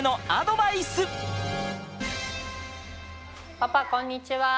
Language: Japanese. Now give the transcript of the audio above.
パパこんにちは！